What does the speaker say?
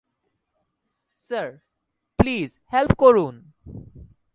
Sir, please help করুন।